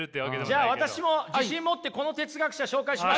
じゃあ私も自信持ってこの哲学者紹介しましょう。